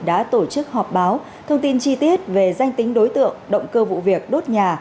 đã tổ chức họp báo thông tin chi tiết về danh tính đối tượng động cơ vụ việc đốt nhà